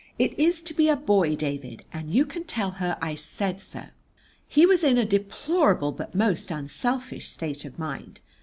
"It is to be a boy, David, and you can tell her I said so." He was in a deplorable but most unselfish state of mind.